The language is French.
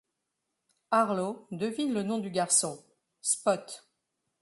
Arlo devine le nom du garçon, Spot.